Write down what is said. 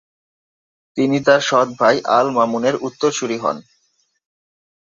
তিনি তার সৎভাই আল মামুনের উত্তরসুরি হন।